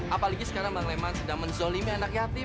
apalagi sekarang bang leman sedang menzolimi anak yatim